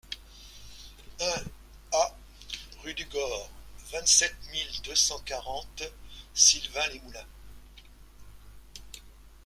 un A rue du Gord, vingt-sept mille deux cent quarante Sylvains-les-Moulins